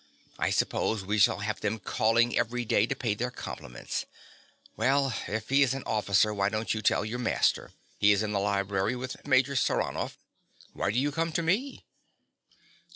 I suppose we shall have them calling every day to pay their compliments. Well, if he is an officer why don't you tell your master? He is in the library with Major Saranoff. Why do you come to me?